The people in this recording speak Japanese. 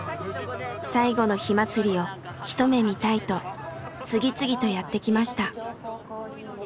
最後の火まつりを一目見たいと次々とやって来ました。